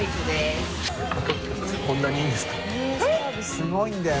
すごいんだよ